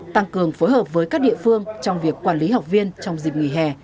tăng cường phối hợp với các địa phương trong việc quản lý học viên trong dịp nghỉ hè